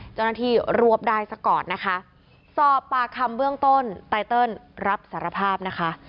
เจ้าหน้าที่รวบได้ซะก่อนนะคะสอบปากคำเบื้องต้นไตเติลรับสารภาพนะคะ